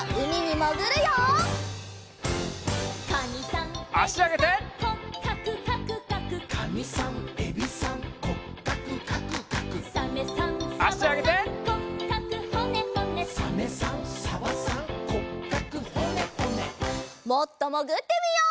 もっともぐってみよう。